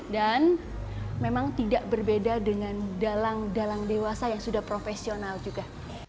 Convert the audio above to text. dan memang tidak berbeda dengan dalang dalang dewasa yang sudah profesional juga